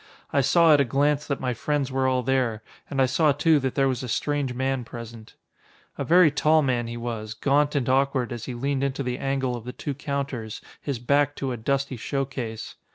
I saw at a glance that my friends were all there, and I saw too that there was a strange man present. A very tall man he was, gaunt and awkward as he leaned into the angle of the two counters, his back to a dusty show case.